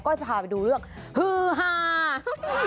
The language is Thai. จะพาไปดูเรื่องฮือฮา